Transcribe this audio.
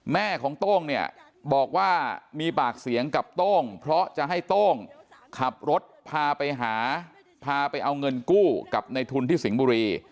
แม่ของโต้งเนี่ยบอกว่ามีปากเสียงกับโต้งเพราะจะให้โต้งขับรถพาไปหาพาไปเอาเงินกู้กับในทุนที่สิงห์บุรี